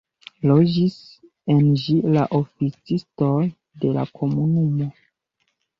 Loĝis en ĝi la oficistoj de la komunumo.